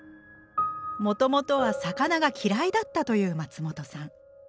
もともとは魚が嫌いだったという松本さん。